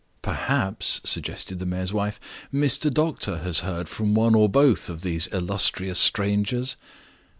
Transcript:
"Perhaps," suggested the mayor's wife, "Mr. Doctor has heard from one or both of these illustrious strangers?"